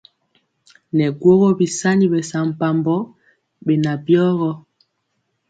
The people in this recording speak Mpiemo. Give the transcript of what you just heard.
Nɛ guógó bisaŋi bɛsampabɔ beŋan byigɔ.